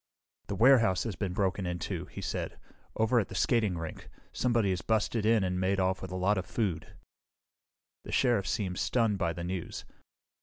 "The warehouse has been broken into," he said. "Over at the skating rink. Somebody has busted in and made off with a lot of food." The Sheriff seemed stunned by the news.